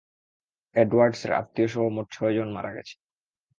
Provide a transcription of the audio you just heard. Edwards এর আত্মীয়সহ মোট ছয়জন মারা গেছে।